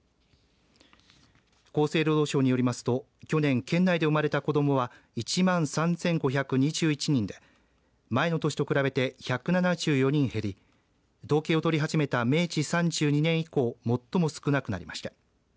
厚生労働省によりますと去年県内で生まれた子どもは１万３５２１人で前の年と比べて１７４人減り統計を取り始めた明治３２年以降最も少なくなりました。